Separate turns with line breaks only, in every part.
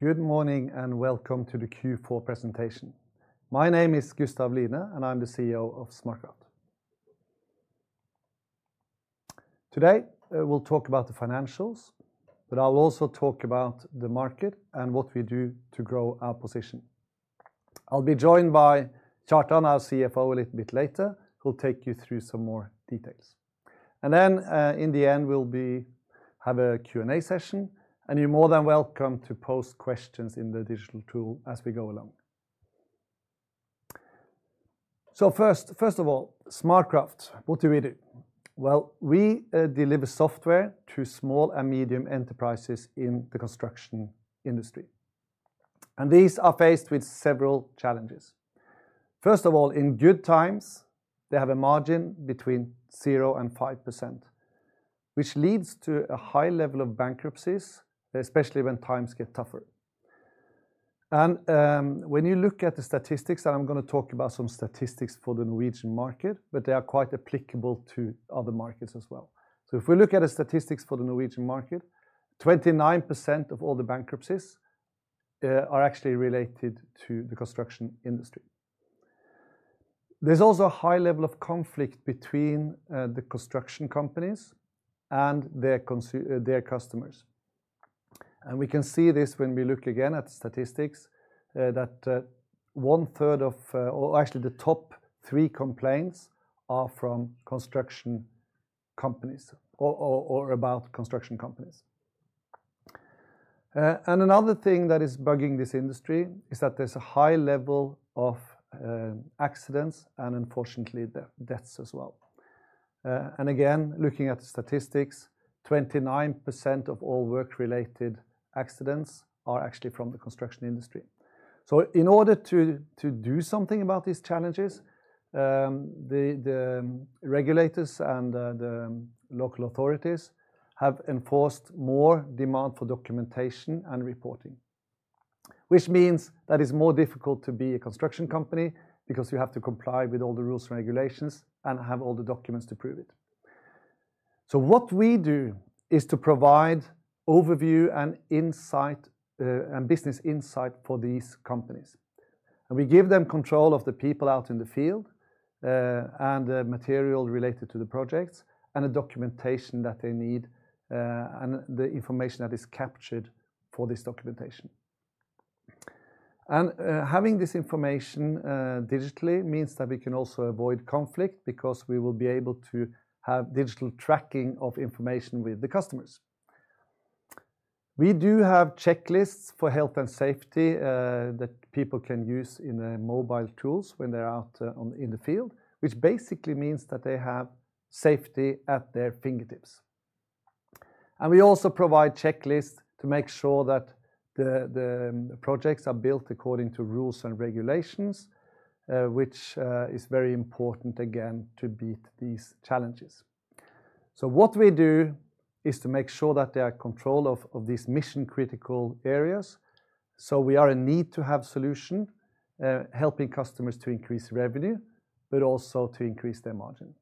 Good morning and welcome to the Q4 presentation. My name is Gustav Line, and I'm the CEO of SmartCraft. Today we'll talk about the financials, but I'll also talk about the market and what we do to grow our position. I'll be joined by Kjartan, our CFO, a little bit later, who'll take you through some more details. Then in the end we'll have a Q&A session, and you're more than welcome to post questions in the digital tool as we go along. So first of all, SmartCraft, what do we do? Well, we deliver software to small and medium enterprises in the construction industry. And these are faced with several challenges. First of all, in good times, they have a margin between 0%-5%, which leads to a high level of bankruptcies, especially when times get tougher. When you look at the statistics, and I'm going to talk about some statistics for the Norwegian market, but they are quite applicable to other markets as well. If we look at the statistics for the Norwegian market, 29% of all the bankruptcies are actually related to the construction industry. There's also a high level of conflict between the construction companies and their customers. And we can see this when we look again at the statistics, that one-third of or actually the top three complaints are from construction companies or about construction companies. And another thing that is bugging this industry is that there's a high level of accidents and unfortunately deaths as well. And again, looking at the statistics, 29% of all work-related accidents are actually from the construction industry. In order to do something about these challenges, the regulators and the local authorities have enforced more demand for documentation and reporting, which means that it's more difficult to be a construction company because you have to comply with all the rules and regulations and have all the documents to prove it. What we do is to provide overview and insight and business insight for these companies. We give them control of the people out in the field and the material related to the projects and the documentation that they need and the information that is captured for this documentation. Having this information digitally means that we can also avoid conflict because we will be able to have digital tracking of information with the customers. We do have checklists for health and safety that people can use in the mobile tools when they're out in the field, which basically means that they have safety at their fingertips. We also provide checklists to make sure that the projects are built according to rules and regulations, which is very important again to beat these challenges. What we do is to make sure that they have control of these mission-critical areas. We are in need to have solutions helping customers to increase revenue, but also to increase their margin.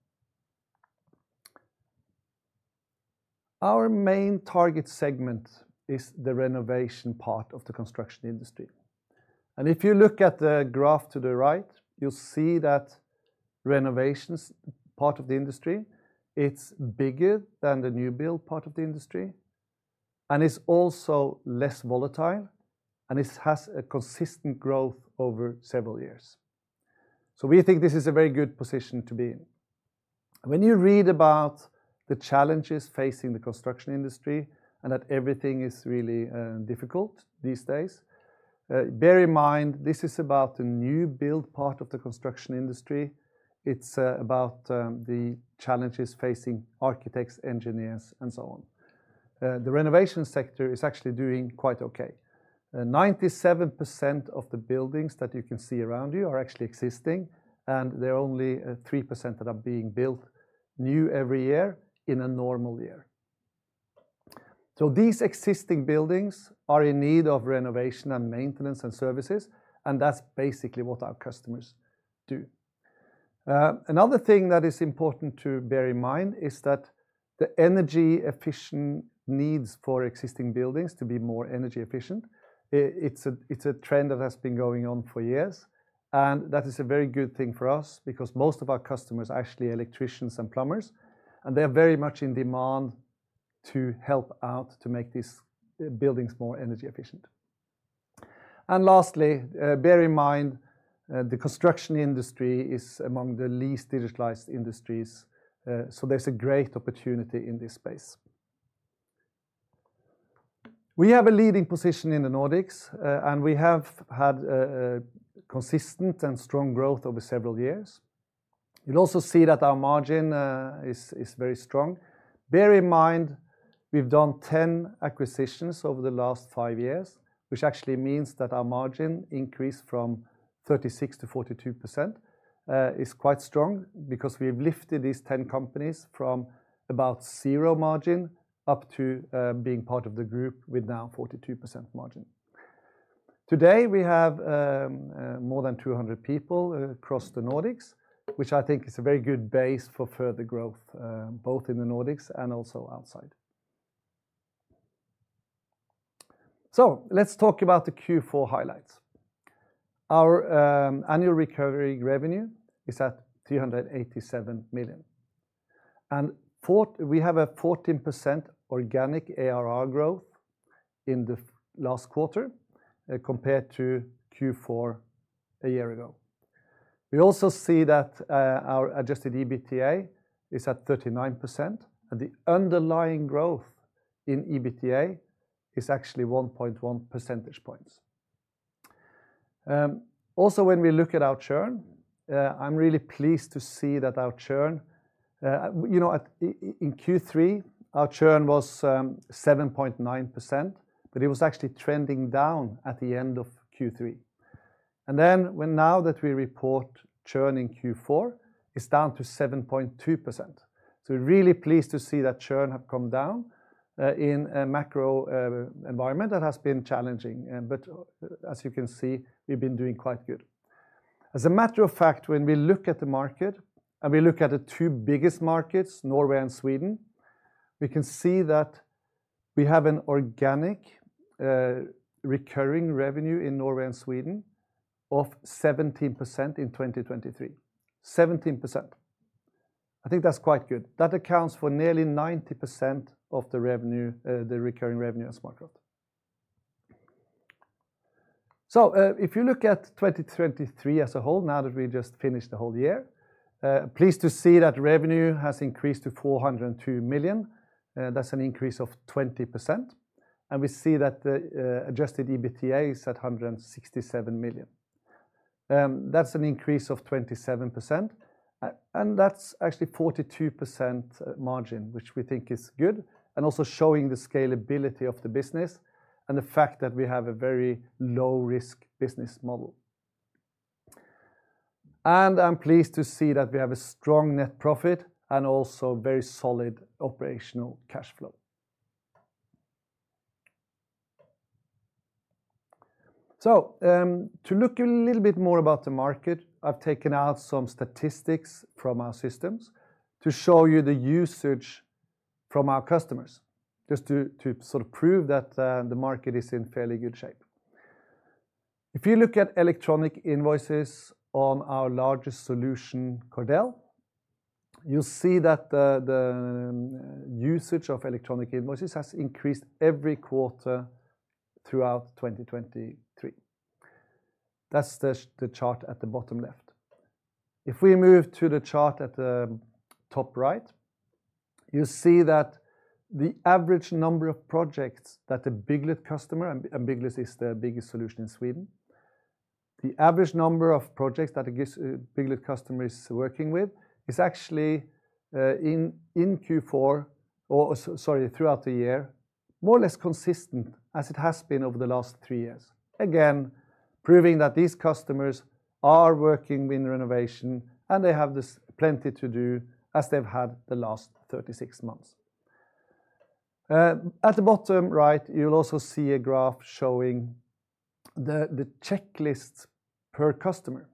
Our main target segment is the renovation part of the construction industry. If you look at the graph to the right, you'll see that renovations part of the industry, it's bigger than the new build part of the industry, and it's also less volatile, and it has a consistent growth over several years. So we think this is a very good position to be in. When you read about the challenges facing the construction industry and that everything is really difficult these days, bear in mind this is about the new build part of the construction industry. It's about the challenges facing architects, engineers, and so on. The renovation sector is actually doing quite okay. 97% of the buildings that you can see around you are actually existing, and there are only 3% that are being built new every year in a normal year. So these existing buildings are in need of renovation and maintenance and services, and that's basically what our customers do. Another thing that is important to bear in mind is that the energy-efficient needs for existing buildings to be more energy-efficient. It's a trend that has been going on for years, and that is a very good thing for us because most of our customers are actually electricians and plumbers, and they are very much in demand to help out to make these buildings more energy-efficient. Lastly, bear in mind the construction industry is among the least digitalized industries, so there's a great opportunity in this space. We have a leading position in the Nordics, and we have had consistent and strong growth over several years. You'll also see that our margin is very strong. Bear in mind we've done 10 acquisitions over the last 5 years, which actually means that our margin increase from 36%-42% is quite strong because we've lifted these 10 companies from about zero margin up to being part of the group with now 42% margin. Today we have more than 200 people across the Nordics, which I think is a very good base for further growth both in the Nordics and also outside. So let's talk about the Q4 highlights. Our annual recurring revenue is at 387 million. And we have a 14% organic ARR growth in the last quarter compared to Q4 a year ago. We also see that our Adjusted EBITDA is at 39%, and the underlying growth in EBITDA is actually 1.1 percentage points. Also, when we look at our churn, I'm really pleased to see that our churn in Q3, our churn was 7.9%, but it was actually trending down at the end of Q3. And then now that we report churn in Q4, it's down to 7.2%. So we're really pleased to see that churn have come down in a macro environment that has been challenging, but as you can see, we've been doing quite good. As a matter of fact, when we look at the market and we look at the two biggest markets, Norway and Sweden, we can see that we have an organic recurring revenue in Norway and Sweden of 17% in 2023. 17%. I think that's quite good. That accounts for nearly 90% of the recurring revenue at SmartCraft. So if you look at 2023 as a whole, now that we just finished the whole year, pleased to see that revenue has increased to 402 million. That's an increase of 20%. And we see that the Adjusted EBITDA is at 167 million. That's an increase of 27%. That's actually 42% margin, which we think is good and also showing the scalability of the business and the fact that we have a very low-risk business model. I'm pleased to see that we have a strong net profit and also very solid operational cash flow. To look a little bit more about the market, I've taken out some statistics from our systems to show you the usage from our customers just to sort of prove that the market is in fairly good shape. If you look at electronic invoices on our largest solution, Cordel, you'll see that the usage of electronic invoices has increased every quarter throughout 2023. That's the chart at the bottom left. If we move to the chart at the top right, you'll see that the average number of projects that a Bygglet customer and Bygglet is the biggest solution in Sweden, the average number of projects that a Bygglet customer is working with is actually in Q4 or sorry, throughout the year, more or less consistent as it has been over the last three years. Again, proving that these customers are working with renovation and they have plenty to do as they've had the last 36 months. At the bottom right, you'll also see a graph showing the checklist per customer.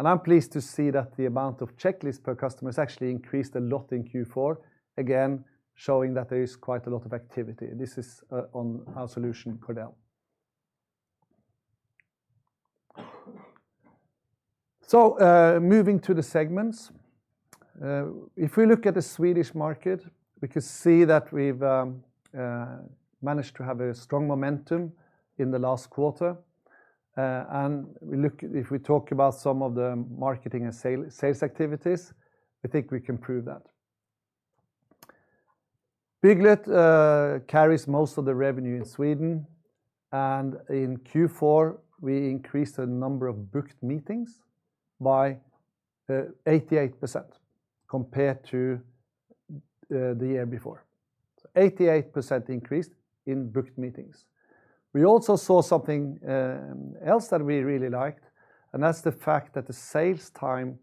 I'm pleased to see that the amount of checklist per customer has actually increased a lot in Q4, again showing that there is quite a lot of activity. This is on our solution, Cordel. So moving to the segments, if we look at the Swedish market, we can see that we've managed to have a strong momentum in the last quarter. If we talk about some of the marketing and sales activities, I think we can prove that. Bygglet carries most of the revenue in Sweden. In Q4, we increased the number of booked meetings by 88% compared to the year before. 88% increased in booked meetings. We also saw something else that we really liked, and that's the fact that the sales time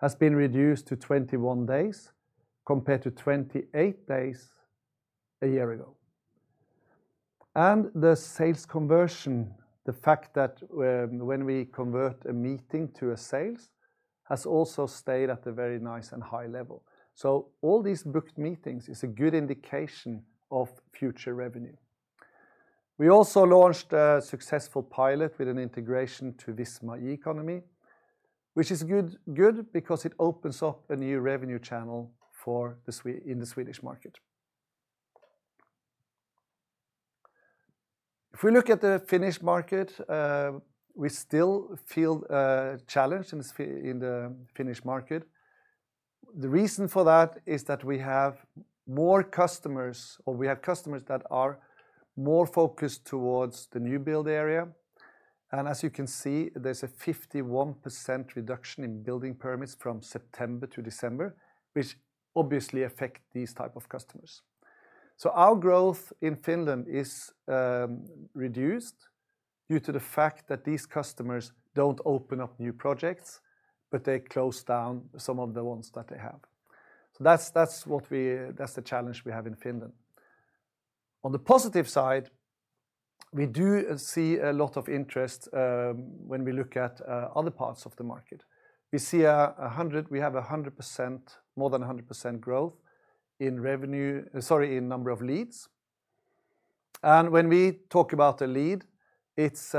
has been reduced to 21 days compared to 28 days a year ago. The sales conversion, the fact that when we convert a meeting to a sales, has also stayed at a very nice and high level. All these booked meetings is a good indication of future revenue. We also launched a successful pilot with an integration to Visma eEkonomi, which is good because it opens up a new revenue channel in the Swedish market. If we look at the Finnish market, we still feel challenged in the Finnish market. The reason for that is that we have more customers or we have customers that are more focused towards the new build area. As you can see, there's a 51% reduction in building permits from September to December, which obviously affects these types of customers. So our growth in Finland is reduced due to the fact that these customers don't open up new projects, but they close down some of the ones that they have. So that's the challenge we have in Finland. On the positive side, we do see a lot of interest when we look at other parts of the market. We see 100 we have 100% more than 100% growth in revenue sorry, in number of leads. When we talk about a lead, it's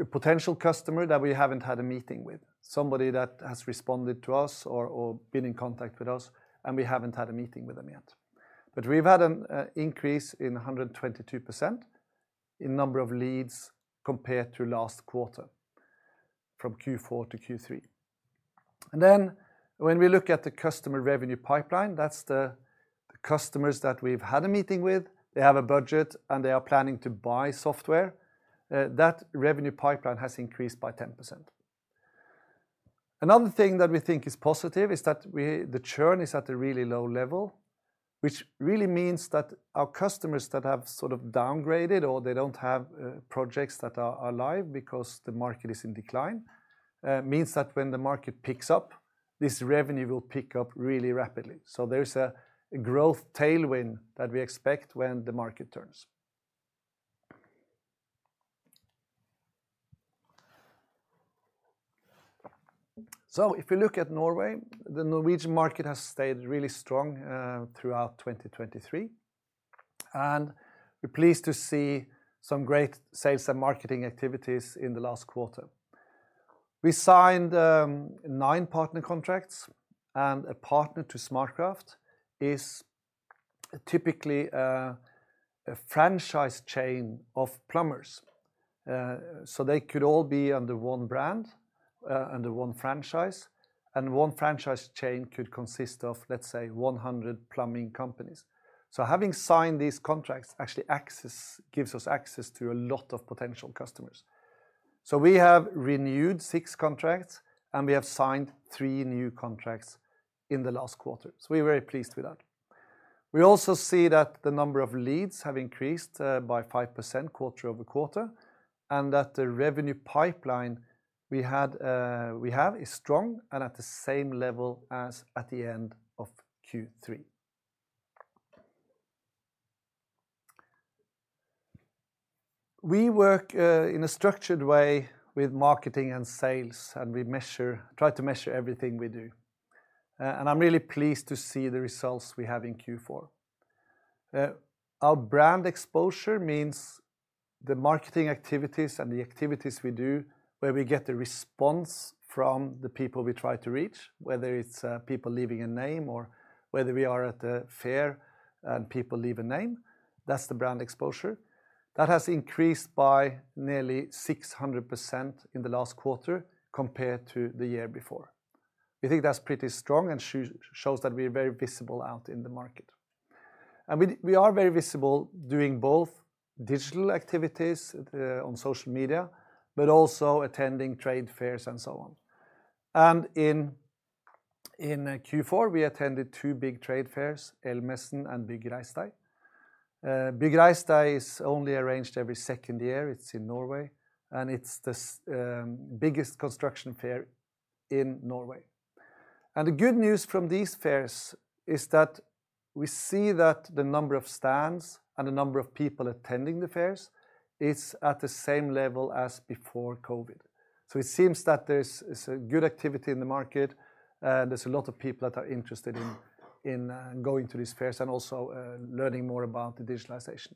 a potential customer that we haven't had a meeting with. Somebody that has responded to us or been in contact with us, and we haven't had a meeting with them yet. We've had an increase in 122% in number of leads compared to last quarter from Q4 to Q3. Then when we look at the customer revenue pipeline, that's the customers that we've had a meeting with. They have a budget, and they are planning to buy software. That revenue pipeline has increased by 10%. Another thing that we think is positive is that the churn is at a really low level, which really means that our customers that have sort of downgraded or they don't have projects that are alive because the market is in decline means that when the market picks up, this revenue will pick up really rapidly. So there's a growth tailwind that we expect when the market turns. So if we look at Norway, the Norwegian market has stayed really strong throughout 2023. We're pleased to see some great sales and marketing activities in the last quarter. We signed 9 partner contracts, and a partner to SmartCraft is typically a franchise chain of plumbers. So they could all be under one brand, under one franchise, and one franchise chain could consist of, let's say, 100 plumbing companies. So having signed these contracts actually gives us access to a lot of potential customers. We have renewed six contracts, and we have signed three new contracts in the last quarter. We're very pleased with that. We also see that the number of leads have increased by 5% quarter-over-quarter and that the revenue pipeline we have is strong and at the same level as at the end of Q3. We work in a structured way with marketing and sales, and we try to measure everything we do. I'm really pleased to see the results we have in Q4. Our brand exposure means the marketing activities and the activities we do where we get the response from the people we try to reach, whether it's people leaving a name or whether we are at a fair and people leave a name. That's the brand exposure. That has increased by nearly 600% in the last quarter compared to the year before. We think that's pretty strong and shows that we're very visible out in the market. We are very visible doing both digital activities on social media, but also attending trade fairs and so on. In Q4, we attended 2 big trade fairs, Elmässan and Bygg Reis Deg. Bygg Reis Deg is only arranged every second year. It's in Norway. It's the biggest construction fair in Norway. The good news from these fairs is that we see that the number of stands and the number of people attending the fairs is at the same level as before COVID. It seems that there's good activity in the market, and there's a lot of people that are interested in going to these fairs and also learning more about the digitalization.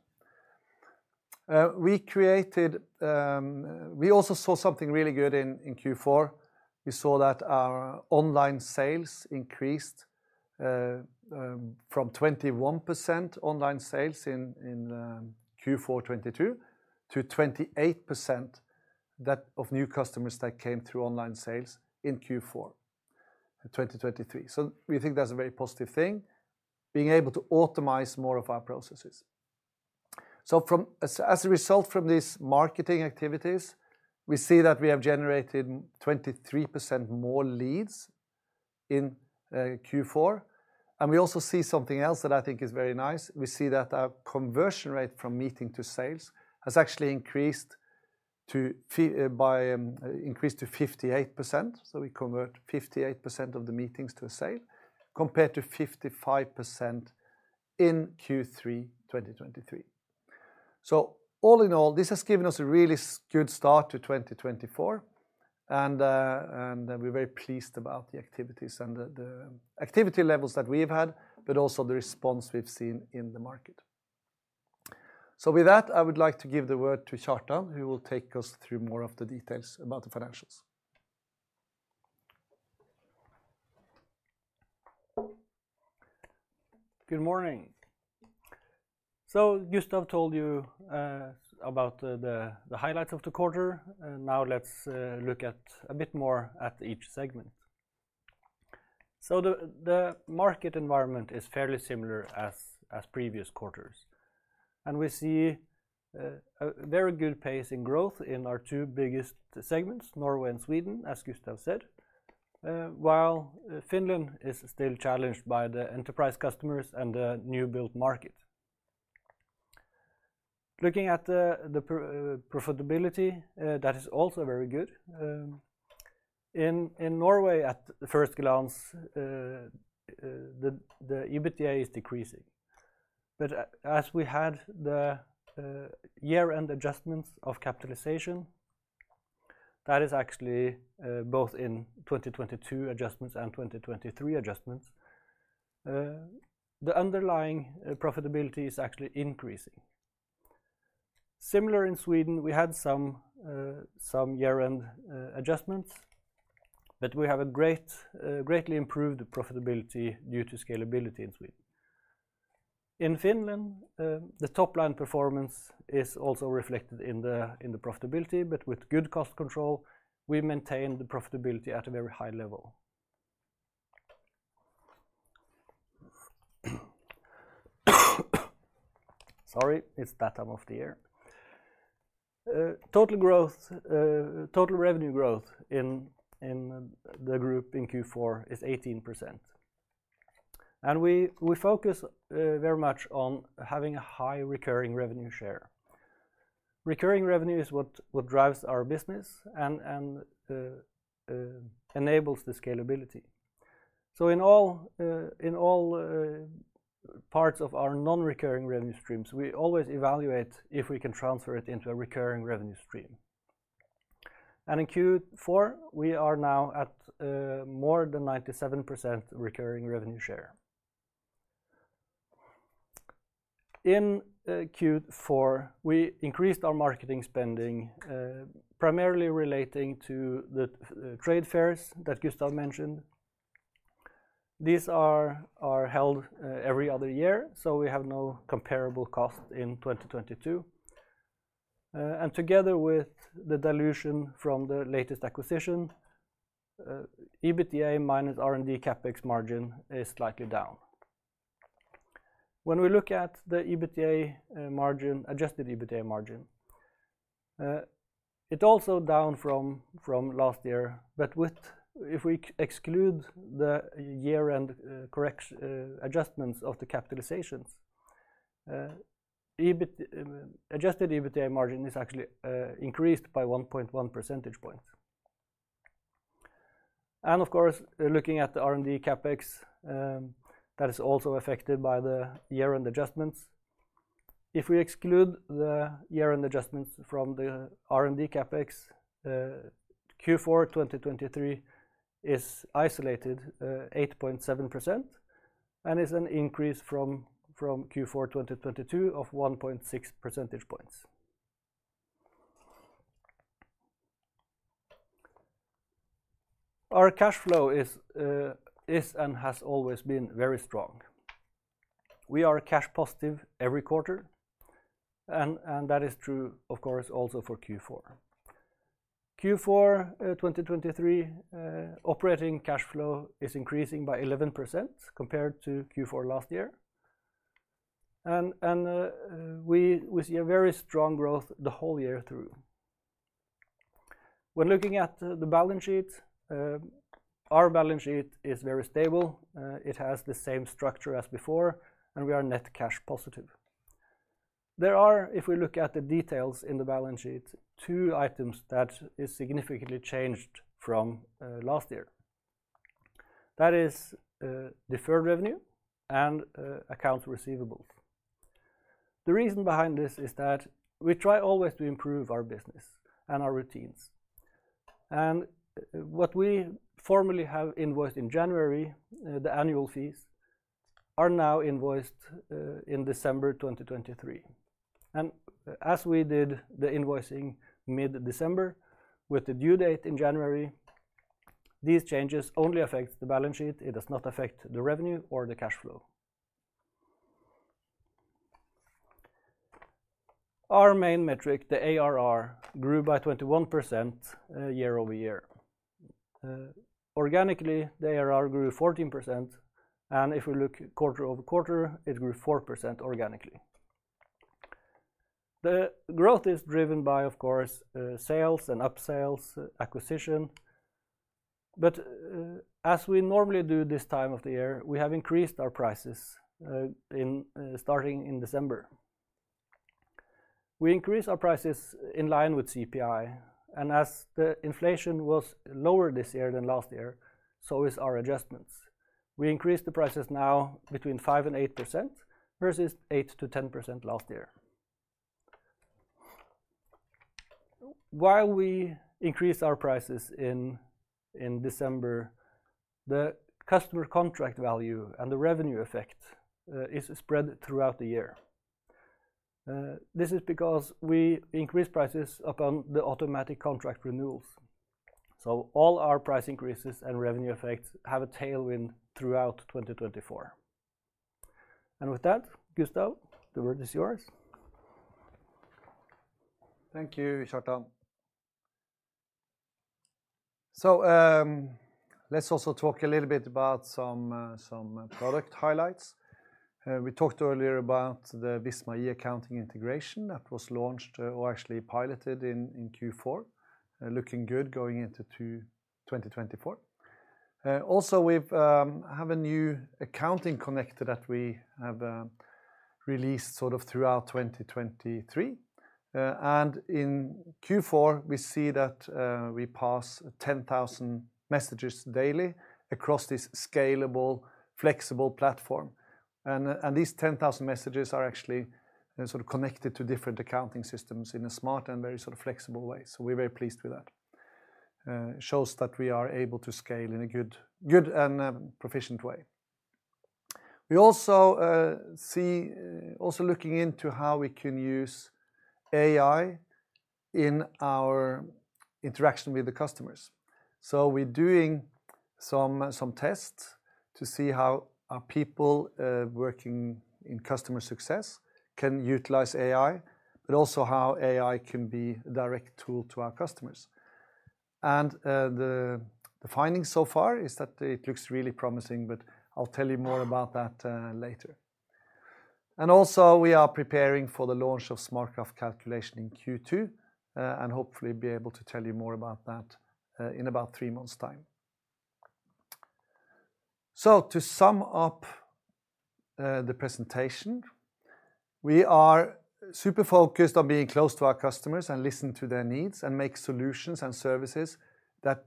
We also saw something really good in Q4. We saw that our online sales increased from 21% online sales in Q4/2022 to 28% of new customers that came through online sales in Q4/2023. So we think that's a very positive thing, being able to optimize more of our processes. So as a result from these marketing activities, we see that we have generated 23% more leads in Q4. And we also see something else that I think is very nice. We see that our conversion rate from meeting to sales has actually increased to 58%. So we convert 58% of the meetings to a sale compared to 55% in Q3/2023. So all in all, this has given us a really good start to 2024. We're very pleased about the activities and the activity levels that we've had, but also the response we've seen in the market. With that, I would like to give the word to Kjartan, who will take us through more of the details about the financials.
Good morning. Gustav told you about the highlights of the quarter. Now, let's look a bit more at each segment. The market environment is fairly similar as previous quarters. We see a very good pace in growth in our two biggest segments, Norway and Sweden, as Gustav said, while Finland is still challenged by the enterprise customers and the new build market. Looking at the profitability, that is also very good. In Norway, at first glance, the EBITDA is decreasing. But as we had the year-end adjustments of capitalization, that is actually both in 2022 adjustments and 2023 adjustments, the underlying profitability is actually increasing. Similar in Sweden, we had some year-end adjustments, but we have a greatly improved profitability due to scalability in Sweden. In Finland, the top-line performance is also reflected in the profitability, but with good cost control, we maintain the profitability at a very high level. Sorry. It's that time of the year. Total growth total revenue growth in the group in Q4 is 18%. And we focus very much on having a high recurring revenue share. Recurring revenue is what drives our business and enables the scalability. So in all parts of our non-recurring revenue streams, we always evaluate if we can transfer it into a recurring revenue stream. And in Q4, we are now at more than 97% recurring revenue share. In Q4, we increased our marketing spending primarily relating to the trade fairs that Gustav mentioned. These are held every other year, so we have no comparable cost in 2022. And together with the dilution from the latest acquisition, EBITDA minus R&D CapEx margin is slightly down. When we look at the EBITDA margin Adjusted EBITDA margin, it's also down from last year, but if we exclude the year-end adjustments of the capitalizations, Adjusted EBITDA margin is actually increased by 1.1 percentage points. And, of course, looking at the R&D CapEx, that is also affected by the year-end adjustments. If we exclude the year-end adjustments from the R&D CapEx, Q4/2023 is isolated 8.7% and is an increase from Q4/2022 of 1.6 percentage points. Our cash flow is and has always been very strong. We are cash positive every quarter. And that is true, of course, also for Q4. Q4/2023, operating cash flow is increasing by 11% compared to Q4 last year. We see a very strong growth the whole year through. When looking at the balance sheet, our balance sheet is very stable. It has the same structure as before, and we are net cash positive. There are, if we look at the details in the balance sheet, two items that have significantly changed from last year. That is deferred revenue and accounts receivable. The reason behind this is that we try always to improve our business and our routines. What we formerly have invoiced in January, the annual fees, are now invoiced in December 2023. As we did the invoicing mid-December with the due date in January, these changes only affect the balance sheet. It does not affect the revenue or the cash flow. Our main metric, the ARR, grew by 21% year-over-year. Organically, the ARR grew 14%. And if we look quarter-over-quarter, it grew 4% organically. The growth is driven by, of course, sales and upsales, acquisition. But as we normally do this time of the year, we have increased our prices starting in December. We increase our prices in line with CPI. And as the inflation was lower this year than last year, so is our adjustments. We increase the prices now between 5%-8% versus 8%-10% last year. While we increase our prices in December, the customer contract value and the revenue effect is spread throughout the year. This is because we increase prices upon the automatic contract renewals. So all our price increases and revenue effects have a tailwind throughout 2024. And with that, Gustav, the word is yours. Thank you, Kjartan. So let's also talk a little bit about some product highlights. We talked earlier about the Visma eEkonomi integration that was launched or actually piloted in Q4, looking good going into 2024. Also, we have a new accounting connector that we have released sort of throughout 2023. And in Q4, we see that we pass 10,000 messages daily across this scalable, flexible platform. And these 10,000 messages are actually sort of connected to different accounting systems in a smart and very sort of flexible way. So we're very pleased with that. It shows that we are able to scale in a good and proficient way. We also see looking into how we can use AI in our interaction with the customers. So we're doing some tests to see how our people working in customer success can utilize AI, but also how AI can be a direct tool to our customers. The findings so far is that it looks really promising, but I'll tell you more about that later. Also, we are preparing for the launch of SmartCraft Calculation in Q2 and hopefully be able to tell you more about that in about three months' time. So to sum up the presentation, we are super focused on being close to our customers and listening to their needs and making solutions and services that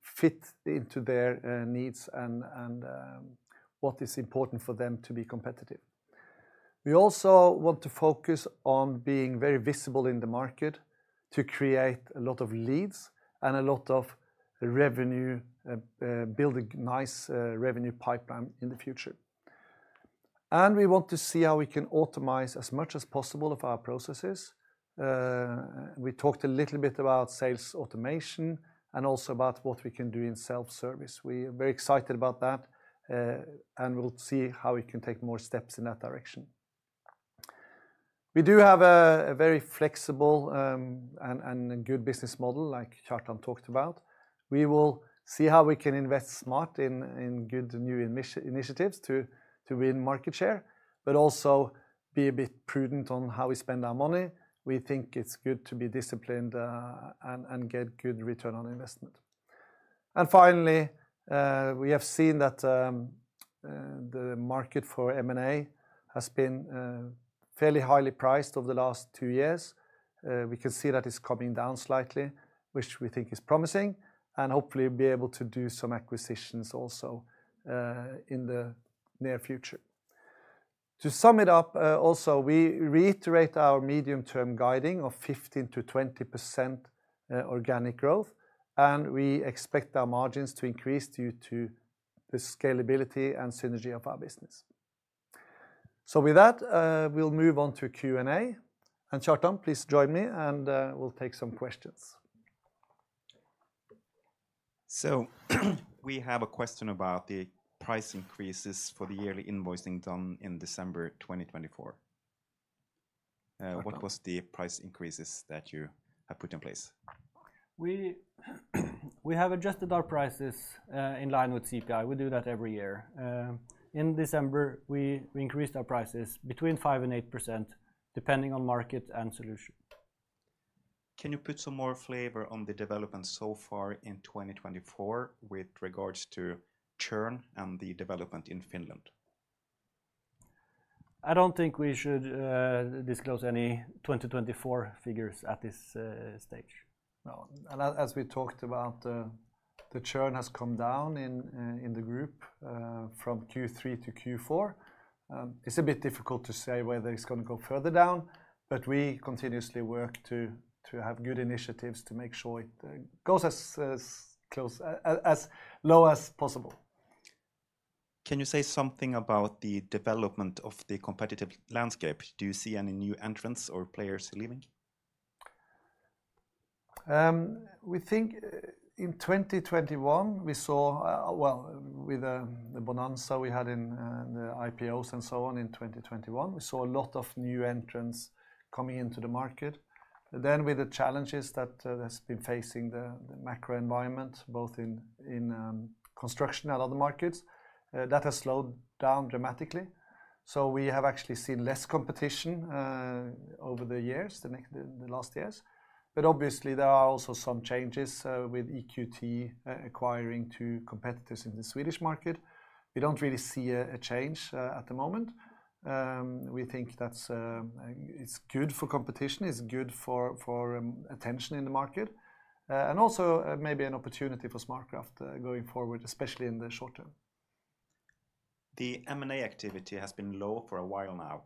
fit into their needs and what is important for them to be competitive. We also want to focus on being very visible in the market to create a lot of leads and a lot of revenue, build a nice revenue pipeline in the future. We want to see how we can optimize as much as possible of our processes. We talked a little bit about sales automation and also about what we can do in self-service. We're very excited about that and will see how we can take more steps in that direction. We do have a very flexible and good business model like Kjartan talked about. We will see how we can invest smart in good new initiatives to win market share, but also be a bit prudent on how we spend our money. We think it's good to be disciplined and get good return on investment. And finally, we have seen that the market for M&A has been fairly highly priced over the last two years. We can see that it's coming down slightly, which we think is promising, and hopefully be able to do some acquisitions also in the near future. To sum it up also, we reiterate our medium-term guiding of 15%-20% organic growth. And we expect our margins to increase due to the scalability and synergy of our business. So with that, we'll move on to Q&A. And Kjartan, please join me, and we'll take some questions.
So we have a question about the price increases for the yearly invoicing done in December 2024. What was the price increases that you have put in place?
We have adjusted our prices in line with CPI. We do that every year. In December, we increased our prices between 5%-8% depending on market and solution.
Can you put some more flavor on the development so far in 2024 with regards to churn and the development in Finland?
I don't think we should disclose any 2024 figures at this stage. No. And as we talked about, the churn has come down in the group from Q3 to Q4. It's a bit difficult to say whether it's going to go further down, but we continuously work to have good initiatives to make sure it goes as low as possible.
Can you say something about the development of the competitive landscape? Do you see any new entrants or players leaving?
We think in 2021, we saw well, with the bonanza we had in the IPOs and so on in 2021, we saw a lot of new entrants coming into the market. Then, with the challenges that have been facing the macro environment, both in construction and other markets, that has slowed down dramatically. So we have actually seen less competition over the years, the last years. But obviously, there are also some changes with EQT acquiring two competitors in the Swedish market. We don't really see a change at the moment. We think that it's good for competition. It's good for attention in the market and also maybe an opportunity for SmartCraft going forward, especially in the short term.
The M&A activity has been low for a while now.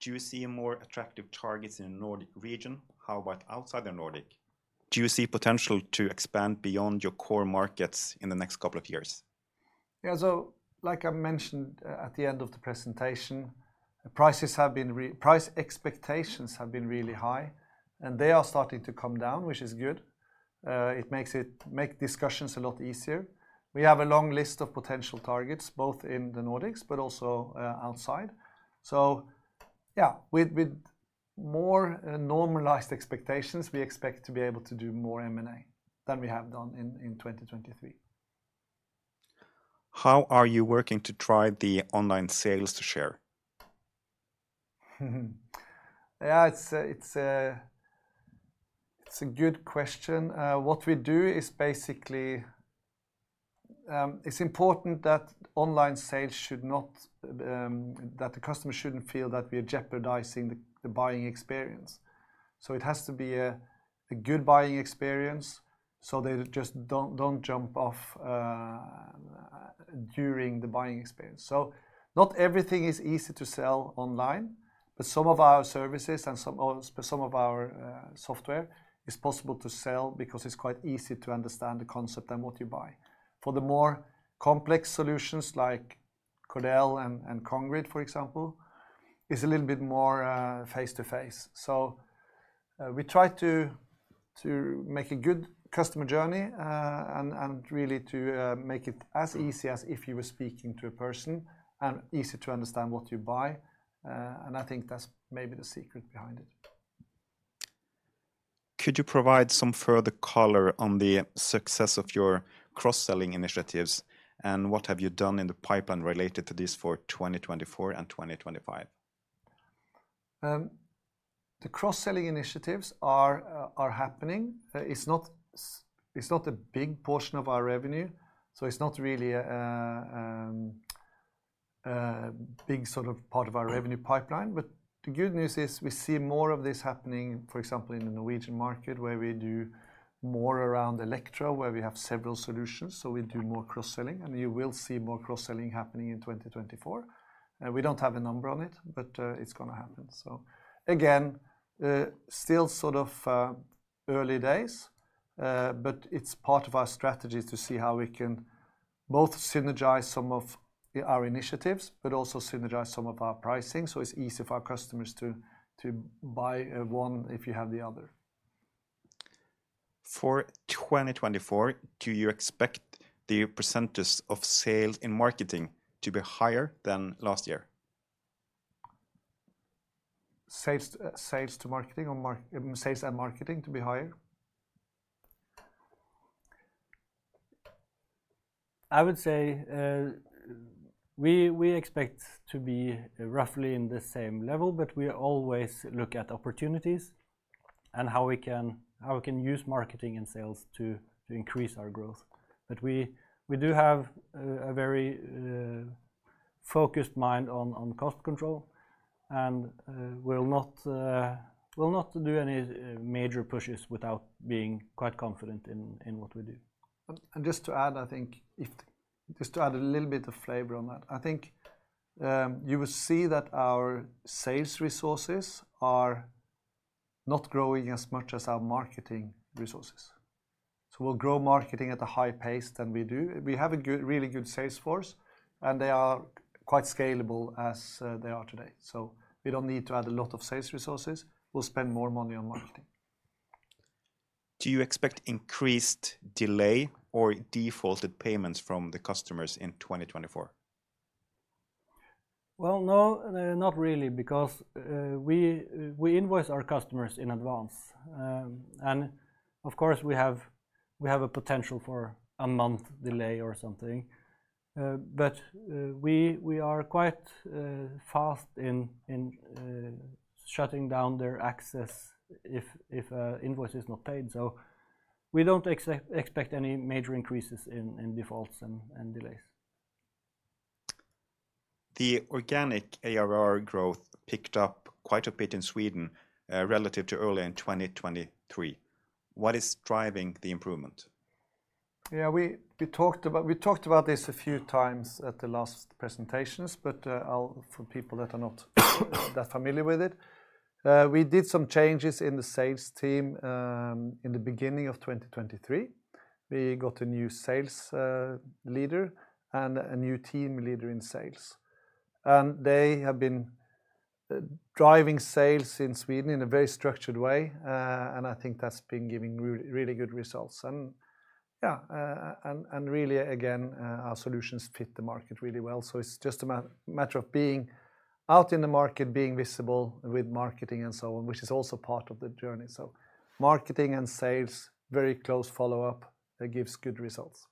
Do you see more attractive targets in the Nordic region? How about outside the Nordic? Do you see potential to expand beyond your core markets in the next couple of years? Yeah.
So like I mentioned at the end of the presentation, price expectations have been really high, and they are starting to come down, which is good. It makes discussions a lot easier. We have a long list of potential targets both in the Nordics but also outside. So yeah, with more normalized expectations, we expect to be able to do more M&A than we have done in 2023.
How are you working to try the online sales to share?
Yeah. It's a good question. What we do is basically it's important that online sales should not that the customer shouldn't feel that we are jeopardizing the buying experience. So it has to be a good buying experience so they just don't jump off during the buying experience. So not everything is easy to sell online, but some of our services and some of our software is possible to sell because it's quite easy to understand the concept and what you buy. For the more complex solutions like Cordel and Congrid, for example, it's a little bit more face-to-face. So we try to make a good customer journey and really to make it as easy as if you were speaking to a person and easy to understand what you buy. And I think that's maybe the secret behind it. Could you provide some further color on the success of your cross-selling initiatives? And what have you done in the pipeline related to this for 2024 and 2025? The cross-selling initiatives are happening. It's not a big portion of our revenue. So it's not really a big sort of part of our revenue pipeline. But the good news is we see more of this happening, for example, in the Norwegian market where we do more around Electro, where we have several solutions. So we do more cross-selling. And you will see more cross-selling happening in 2024. We don't have a number on it, but it's going to happen. So again, still sort of early days, but it's part of our strategy to see how we can both synergize some of our initiatives but also synergize some of our pricing so it's easy for our customers to buy one if you have the other.
For 2024, do you expect the percentage of sales in marketing to be higher than last year?
Sales to marketing or sales and marketing to be higher? I would say we expect to be roughly in the same level, but we always look at opportunities and how we can use marketing and sales to increase our growth. But we do have a very focused mind on cost control. And we'll not do any major pushes without being quite confident in what we do. And just to add, I think if just to add a little bit of flavor on that, I think you will see that our sales resources are not growing as much as our marketing resources. So we'll grow marketing at a high pace than we do. We have a really good sales force, and they are quite scalable as they are today. So we don't need to add a lot of sales resources. We'll spend more money on marketing.
Do you expect increased delay or defaulted payments from the customers in 2024?
Well, no, not really because we invoice our customers in advance. And of course, we have a potential for a month delay or something. But we are quite fast in shutting down their access if an invoice is not paid. So we don't expect any major increases in defaults and delays.
The organic ARR growth picked up quite a bit in Sweden relative to early in 2023. What is driving the improvement?
Yeah. We talked about this a few times at the last presentations, but for people that are not that familiar with it, we did some changes in the sales team in the beginning of 2023. We got a new sales leader and a new team leader in sales. And they have been driving sales in Sweden in a very structured way. And I think that's been giving really good results. And yeah. Really, again, our solutions fit the market really well. So it's just a matter of being out in the market, being visible with marketing and so on, which is also part of the journey. So marketing and sales, very close follow-up gives good results.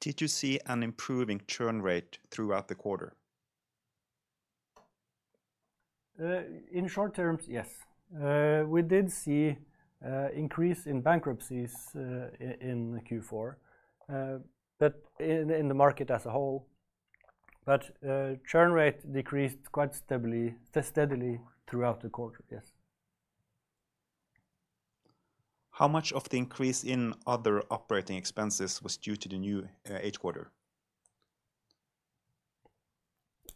Did you see an improving churn rate throughout the quarter?
In short terms, yes. We did see an increase in bankruptcies in Q4 but in the market as a whole. But churn rate decreased quite steadily throughout the quarter, yes.
How much of the increase in other operating expenses was due to the new 8th quarter?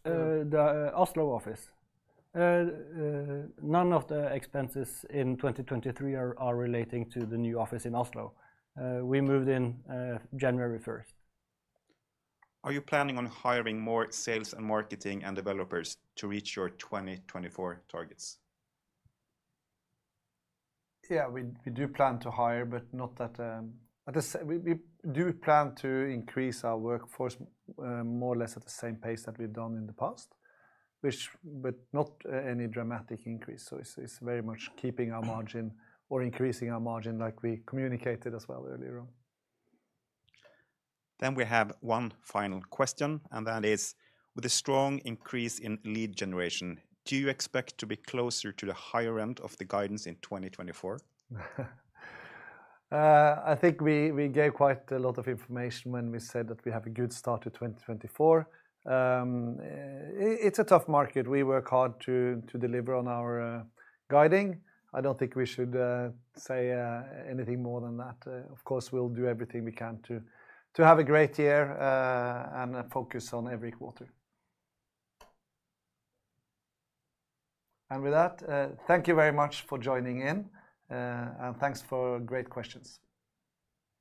The Oslo office. None of the expenses in 2023 are relating to the new office in Oslo. We moved in January 1st.
Are you planning on hiring more sales and marketing and developers to reach your 2024 targets? Yeah.
We do plan to hire, but we do plan to increase our workforce more or less at the same pace that we've done in the past, but not any dramatic increase. So it's very much keeping our margin or increasing our margin like we communicated as well earlier on.
Then we have one final question. That is, with a strong increase in lead generation, do you expect to be closer to the higher end of the guidance in 2024?
I think we gave quite a lot of information when we said that we have a good start to 2024. It's a tough market. We work hard to deliver on our guiding. I don't think we should say anything more than that. Of course, we'll do everything we can to have a great year and focus on every quarter. With that, thank you very much for joining in. Thanks for great questions.